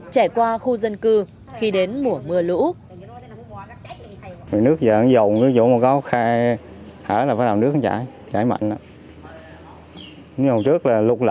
trải qua khu dân cư khi đến mùa mưa lũ